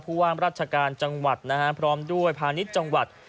ผู้ว่างรัชการจังหวัดพร้อมด้วยพาณิชย์จังหวัด